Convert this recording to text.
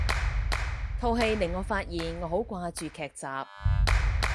套戲令我發現我好掛住劇集